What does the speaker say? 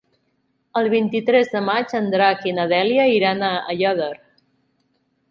El vint-i-tres de maig en Drac i na Dèlia iran a Aiòder.